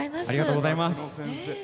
ありがとうございます。